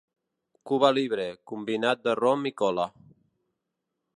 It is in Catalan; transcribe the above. Cuba Libre, combinat de rom i cola.